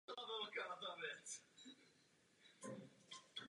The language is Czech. V souvislosti s návrhy Komise je vaše zpráva mimořádně povzbudivá.